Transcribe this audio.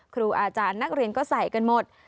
ครูอาจารย์นักเรียนก็ใส่กันหมด